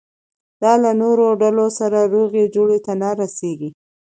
دا له نورو ډلو سره روغې جوړې ته نه رسېږي.